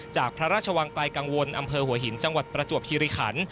จากพระราชวังไกลกังวลอำเภอหัวหินจังหวัดประจวบคิริขัน